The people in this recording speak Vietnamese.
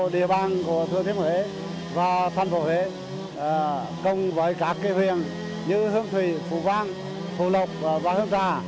địa bàn của thủy thuyên huế và thành phố huế cùng với các cây huyền như hương thủy phủ vang phủ lộc và hương trà